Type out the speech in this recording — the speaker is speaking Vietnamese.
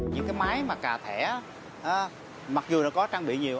những cái máy mà cà thẻ mặc dù đã có trang bị nhiều